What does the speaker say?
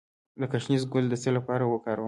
د ګشنیز ګل د څه لپاره وکاروم؟